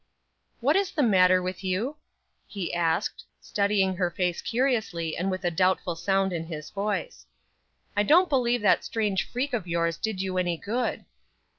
"What is the matter with you?" he asked, studying her face curiously, and with a doubtful sound in his voice. "I don't believe that strange freak of yours did you any good."